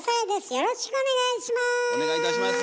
よろしくお願いします。